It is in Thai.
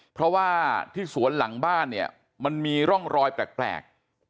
เพราะว่าที่สวนหลังบ้านเนี่ยมันมีร่องรอยแปลก